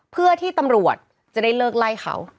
เพื่อที่ตำรวจจะได้เลิกไล่เขา